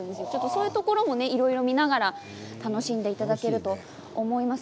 そういうところも見ながら楽しんでいただけると思います。